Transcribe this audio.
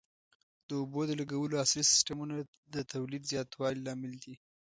د اوبو د لګولو عصري سیستمونه د تولید زیاتوالي لامل دي.